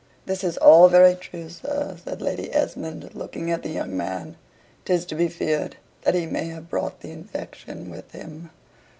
"This is all very true, sir," said Lady Esmond, looking at the young man. "'Tis to be feared that he may have brought the infection with him."